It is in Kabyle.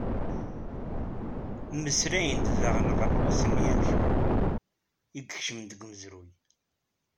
Mmeslayen-d daɣen ɣef wass-nni amcum, i ikecmen deg umezruy.